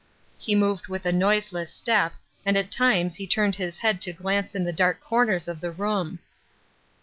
He moved with a noiseless step and at times he turned his head to glance in the dark corners of the room.